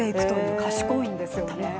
賢いんですよね。